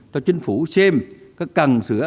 cho chính phủ xem có cần sửa